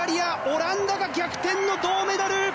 オランダが逆転の銅メダル！